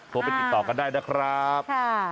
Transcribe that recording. ไปติดต่อกันได้นะครับ